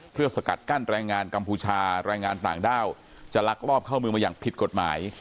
เพื่อสกัดกั้นแรงงานกัมพูชาแรงงานต่างด้าวจะลักลอบเข้าเมืองมาอย่างผิดกฎหมาย